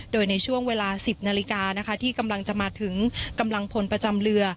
โดยในช่วงเวลา๑๐นาฬิกานะคะที่กำลังจะมาถึงกำลังพลประจำเรือ